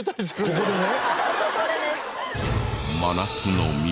ここでね。